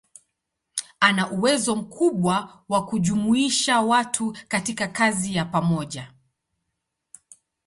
Ana uwezo mkubwa wa kujumuisha watu katika kazi ya pamoja.